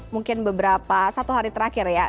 mungkin beberapa satu hari terakhir ya